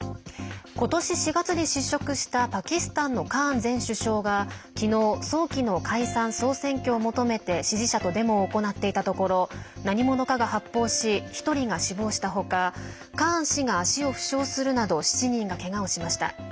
今年４月で失職したパキスタンのカーン前首相が昨日早期の解散・総選挙を求めて支持者とデモを行っていたところ何者かが発砲し１人が死亡した他カーン氏が足を負傷するなど７人がけがをしました。